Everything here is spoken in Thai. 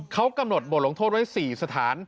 เขากำหนดบทลงโทษไว้๔สถาน